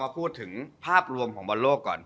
พูดถึงภาพรวมของบอลโลกก่อน